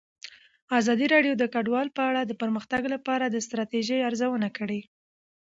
ازادي راډیو د کډوال په اړه د پرمختګ لپاره د ستراتیژۍ ارزونه کړې.